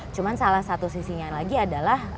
cuma salah satu sisinya lagi adalah